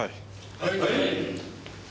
はい！